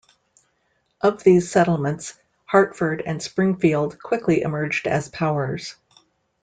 Of these settlements, Hartford and Springfield quickly emerged as powers.